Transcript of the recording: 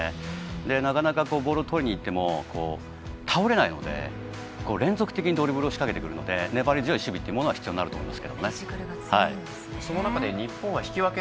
なかなかボールをとりにいっても倒れないので、連続的にドリブルを仕掛けてくるので粘り強い守備が必要になると思います。